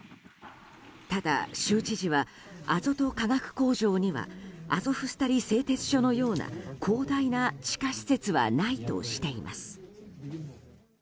ただ、州知事はアゾト化学工場にはアゾフスタリ製鉄所のような広大な地下施設はないとしています。